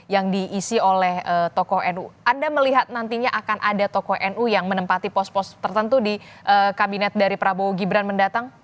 yang diisi oleh tokoh nu anda melihat nantinya akan ada tokoh nu yang menempati pos pos tertentu di kabinet dari prabowo gibran mendatang